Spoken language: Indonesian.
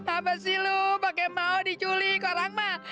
apa sih lo bakal mau diculik orang mah